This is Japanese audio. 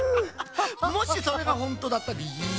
もしそれがほんとだったらい